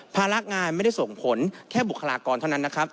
ภาระงานไม่ได้ส่งผลแค่บุคลากรเท่านั้นนะครับ